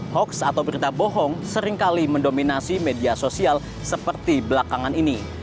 hoax atau berita bohong seringkali mendominasi media sosial seperti belakangan ini